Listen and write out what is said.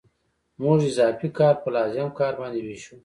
موږ اضافي کار په لازم کار باندې وېشو